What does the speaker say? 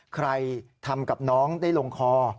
ใครทำกับน้องได้ลงคอ